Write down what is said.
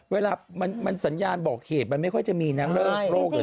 เวลามันสัญญาณบอกเหตุมันไม่ค่อยจะมีนางเริ่มโรคอยู่เนี่ย